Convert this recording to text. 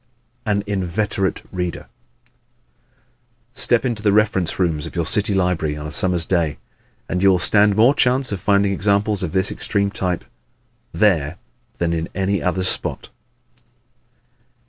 An Inveterate Reader ¶ Step into the reference rooms of your city library on a summer's day and you will stand more chance of finding examples of this extreme type there than in any other spot.